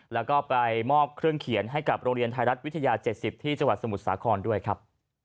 แล้วก็ไปมอบเครื่องเขียนให้กับโรงเรียนไทยรัฐวิทยา๗๐ที่จังหวัดสมุทรสาครด้วยครับ